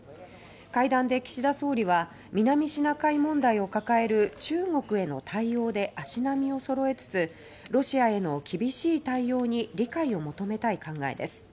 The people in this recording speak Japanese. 会談で岸田総理は南シナ海問題を抱える中国への対応で足並みを揃えつつロシアへの厳しい対応に理解を求めたい考えです。